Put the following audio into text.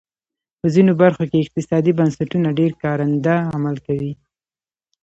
په ځینو برخو کې اقتصادي بنسټونه ډېر کارنده عمل کوي.